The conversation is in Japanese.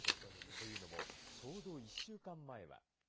というのも、ちょうど１週間前は。